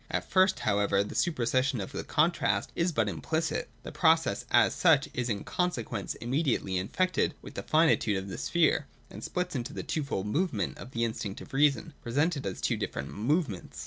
At first, however, the supersession of the contrast is but implicit. The process as such is in consequence immediately in fected with the finitude of this sphere, and splits into the twofold movement of the instinct of reason, presented as two different movements.